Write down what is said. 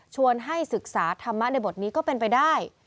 ให้ศึกษาธรรมะในบทนี้ก็เป็นไปได้